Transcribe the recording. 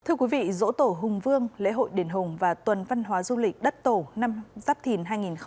thưa quý vị dỗ tổ hùng vương lễ hội đền hùng và tuần văn hóa du lịch đất tổ năm giáp thìn hai nghìn hai mươi bốn